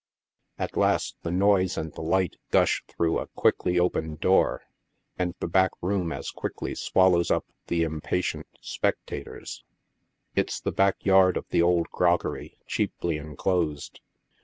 At last the noise and the light gush through a quickly opened door, and the back rocm as quickly swallows up the impatient spectators. It's the back yard of the old groggery, cheaply enclosed.